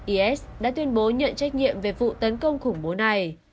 is đã tuyên bố nhận trách nhiệm về vụ tấn công khủng bố này